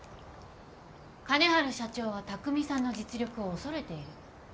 金治社長は拓未さんの実力を恐れている。